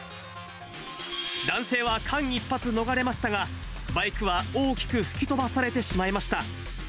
男性は間一髪逃れましたが、バイクは大きく吹き飛ばされてしまいました。